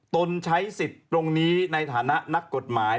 ตนใช้สิทธิ์ตรงนี้ในฐานะนักกฎหมาย